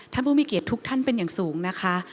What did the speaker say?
ผู้มีเกียรติทุกท่านเป็นอย่างสูงนะคะ